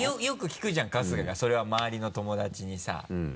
よく聞くじゃん春日がそれは周りの友達にさ